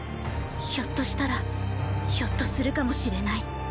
ひょっとしたらひょっとするかもしれない。